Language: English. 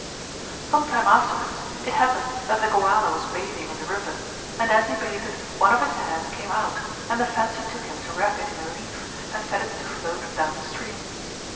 Some time afterwards it happened that the Goala was bathing in the river; and as he bathed one of his hairs came out and the fancy took him to wrap it in a leaf and set it to float down the stream.